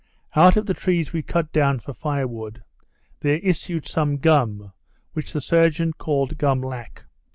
Out of the trees we cut down for fire wood, there issued some gum, which the surgeon called gum lac.